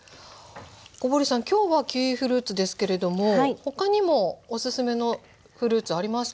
小堀さん今日はキウイフルーツですけれども他にもおすすめのフルーツありますか？